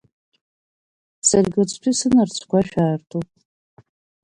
Саргь уаҵәтәи сынарцәгәашәаартуп.